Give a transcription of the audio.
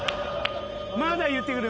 まだ言ってくる。